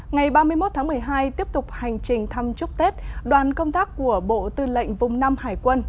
ngày ba mươi một tháng một mươi hai tiếp tục hành trình thăm chúc tết đoàn công tác của bộ tư lệnh vùng năm hải quân